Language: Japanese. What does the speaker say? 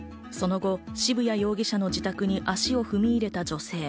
その後、渋谷容疑者の自宅に足を踏み入れた女性。